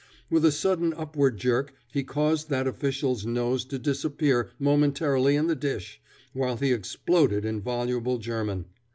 With a sudden upward jerk he caused that official's nose to disappear momentarily in the dish, while he exploded in voluble German.